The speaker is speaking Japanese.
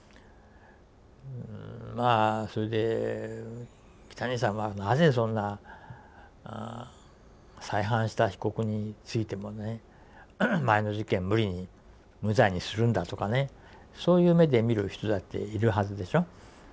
まあそれで木谷さんはなぜそんな再犯した被告についてもね前の事件無理に無罪にするんだとかねそういう目で見る人だっているはずでしょ。